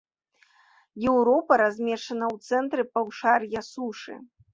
Еўропа размешчана ў цэнтры паўшар'я сушы.